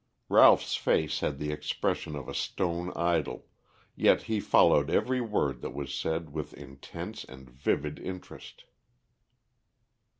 Ralph's face had the expression of a stone idol, yet he followed every word that was said with intense and vivid interest.